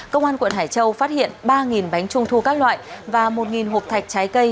công an quận hải châu phát hiện ba bánh trung thu các loại và một hộp thạch trái cây